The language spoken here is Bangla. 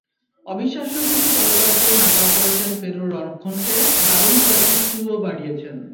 অবিশ্বাস্য কিছু কারুকার্যে নাকাল করেছেন পেরুর রক্ষণকে, দারুণ কয়েকটি থ্রুও বাড়িয়েছেন।